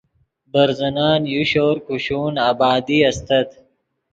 برزنن یو شور کوشون آبادی استت